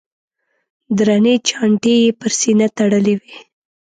درنې چانټې یې پر سینه تړلې وې.